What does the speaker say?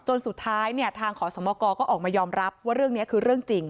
สุดท้ายเนี่ยทางขอสมกรก็ออกมายอมรับว่าเรื่องนี้คือเรื่องจริง